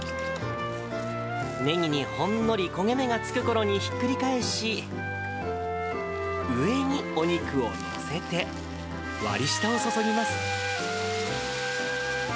ネギにほんのり焦げ目がつくころにひっくり返し、上にお肉を載せて、割り下を注ぎます。